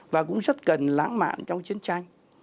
và cũng rất cần lãng mạn trong chiến tranh